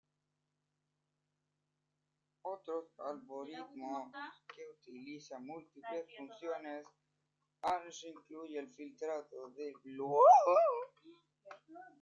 Otros algoritmos que utilizan múltiples funciones hash incluyen el filtrado de Bloom.